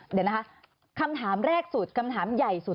เดี๋ยวนะคะคำถามแรกสุดคำถามใหญ่สุด